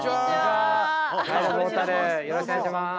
よろしくお願いします。